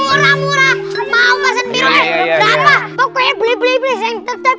murah murah mau pasir berapa pokoknya beli beli beli yang tetap